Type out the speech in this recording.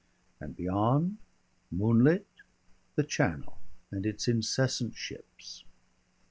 And beyond, moonlit, the Channel and its incessant ships.